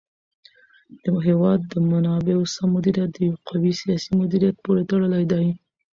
د هېواد د منابعو سم مدیریت د یو قوي سیاسي مدیریت پورې تړلی دی.